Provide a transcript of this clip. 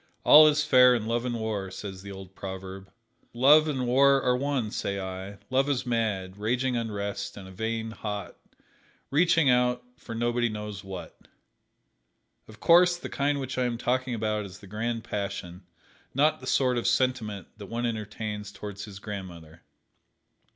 "All is fair in Love and War," says the old proverb. Love and War are one, say I. Love is mad, raging unrest and a vain, hot, reaching out for nobody knows what. Of course the kind which I am talking about is the Grand Passion, not the sort of sentiment that one entertains towards his grandmother.